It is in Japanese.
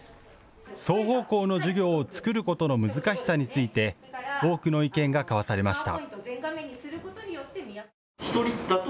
双方向の授業を作ることの難しさについて多くの意見が交わされました。